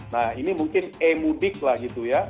nah ini mungkin e mudik lah gitu ya